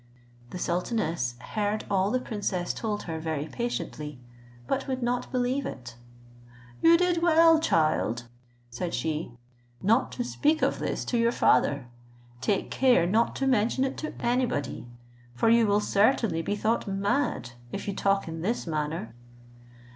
The sultaness heard all the princess told her very patiently, but would not believe it. "You did well, child," said she, "not to speak of this to your father: take care not to mention it to anybody; for you will certainly be thought mad if you talk in this manner."